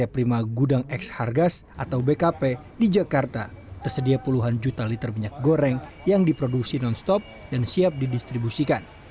minyak goreng pt bina karya prima gudang x hargas atau bkp di jakarta tersedia puluhan juta liter minyak goreng yang diproduksi non stop dan siap didistribusikan